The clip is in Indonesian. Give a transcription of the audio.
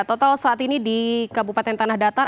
total saat ini di kabupaten tanah datar